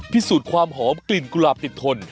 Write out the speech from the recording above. พิสูจน์ความหอมกลิ่นกุหลาบติดทน